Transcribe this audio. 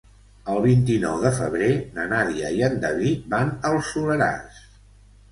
El vint-i-nou de febrer na Nàdia i en David van al Soleràs.